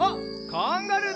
カンガルーだ！